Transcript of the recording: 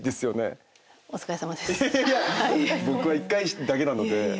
僕は１回だけなので。